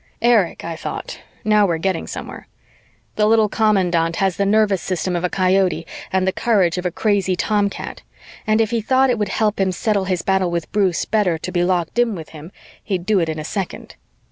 Erich, I thought now we're getting somewhere. The little commandant has the nervous system of a coyote and the courage of a crazy tomcat, and if he thought it would help him settle his battle with Bruce better to be locked in with him, he'd do it in a second.